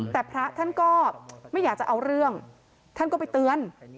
แต่พระท่านก็ไม่อยากจะเอาเรื่องท่านก็ไปเตือน